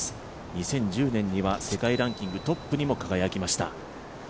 ２０１０年には世界ランキングトップにも輝きました。